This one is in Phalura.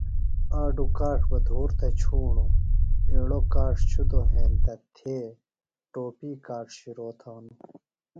آڈو کاڇ بہ دھور تھے چھورانو ایڑو کاڇ شدو ہینتہ تھے ٹوپی کاڇ شرو تھانو ۔